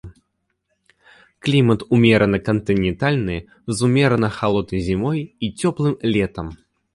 Клімат умерана-кантынентальны з умерана халоднай зімой і цёплым летам.